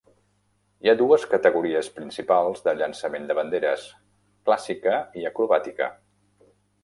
Hi ha dues categories principals de llançament de banderes: clàssica i acrobàtica.